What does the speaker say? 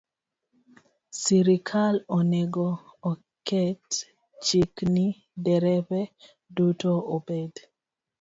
Sirkal onego oket chik ni derepe duto obed